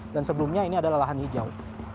dan sebelumnya ini adalah lahan hijau